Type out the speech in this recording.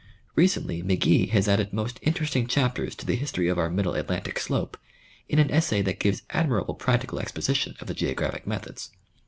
Recently Mc Gee has added most interesting chapters to the history of our middle Atlantic slope, in an essay that gives admirable practical exposition of the geographic methods.